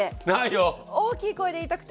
大きい声で言いたくて。